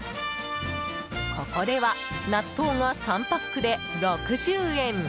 ここでは納豆が３パックで６０円。